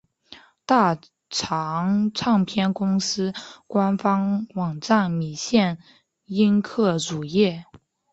大藏唱片公司官方网站米线音客主页